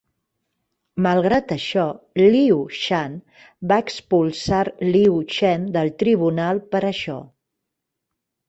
Malgrat això, Liu Shan va expulsar Liu Chen del tribunal per això.